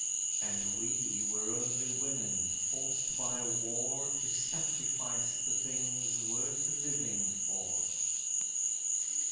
And we were only women, forced by war To sacrifice the things worth living for.